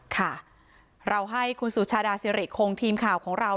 ค่ะเราให้คุณสุชาดาสิริคงทีมข่าวของเรา